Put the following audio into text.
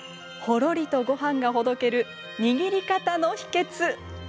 ほろりとごはんがほどける握り方の秘けつ！